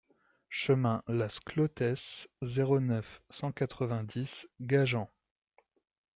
Chemin Las Clotes, zéro neuf, cent quatre-vingt-dix Gajan